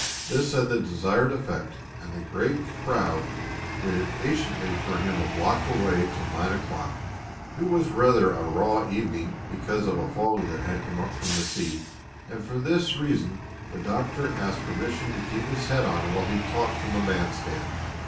This had the desired effect, and the great crowd waited patiently for him a block away till nine o'clock. It was rather a raw evening because of a fog that had come up from the sea, and for this reason the Doctor asked permission to keep his hat on while he talked from the band stand.